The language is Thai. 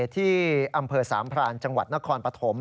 ที่อำเภอสามพรานจังหวัดนครปฐม